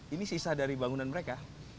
ini sisa dari bangunan mereka